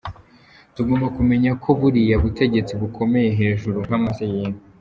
tugomba kumenya ko buriya butegetsi bukomeye hejuru nk’amase y’inka.